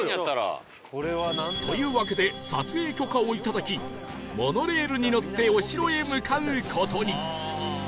というわけで撮影許可をいただきモノレールに乗ってお城へ向かう事に